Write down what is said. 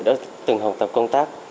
đã từng học tập công tác